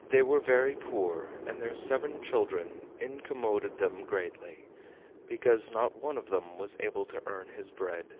They were very poor, and their seven children incommoded them greatly, because not one of them was able to earn his bread.